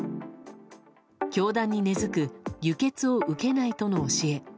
教団に根付く輸血を受けないとの教え。